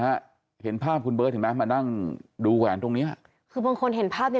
ฮะเห็นภาพคุณเบิร์ตเห็นไหมมานั่งดูแหวนตรงเนี้ยคือบางคนเห็นภาพนี้